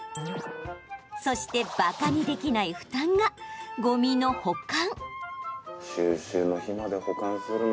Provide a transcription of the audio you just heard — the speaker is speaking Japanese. そして、ばかにできない負担がごみの保管。